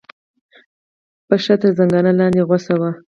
پښه تر زنګانه لاندې غوڅه وه.